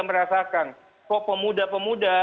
merasakan kok pemuda pemuda